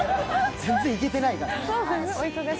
全然行けてないから。